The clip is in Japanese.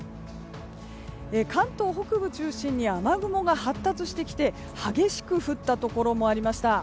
関東北部中心に雨雲が発達してきて激しく降ったところもありました。